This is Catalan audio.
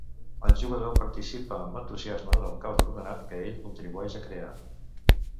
El jugador participa amb entusiasme del caos ordenat que ell contribueix a crear.